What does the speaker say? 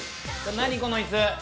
何、この椅子！？